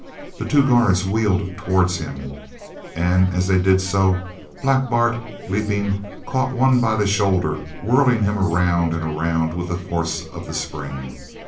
The two guards wheeled towards him, and as they did so, Black Bart, leaping, caught one by the shoulder, whirling him around and around with the force of the spring.